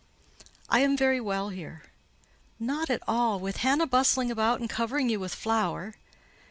"I am very well here." "Not at all, with Hannah bustling about and covering you with flour."